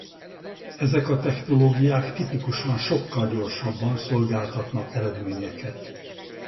Ezek a technológiák tipikusan sokkal gyorsabban szolgáltatnak eredményeket.